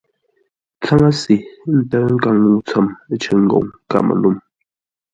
Tsáŋə́se ntə̂ʉ nkaŋ-ŋuu ntsəm cər ngoŋ Káməlûm.